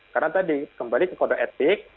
karena tadi kembali ke kode etik